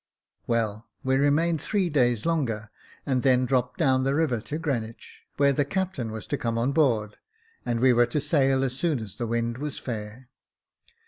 Well, we remained three days longer, and then dropped down the river to Greenwich, where the captain was to come on board, and we were to sail as soon as the wind was fair.